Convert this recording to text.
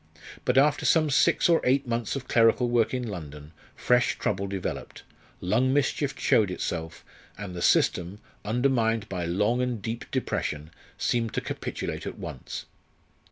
But after some six or eight months of clerical work in London fresh trouble developed, lung mischief showed itself, and the system, undermined by long and deep depression, seemed to capitulate at once.